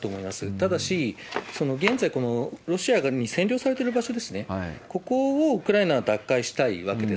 ただし、現在、ロシアに占領されてる場所ですね、ここをウクライナは奪回したいわけです。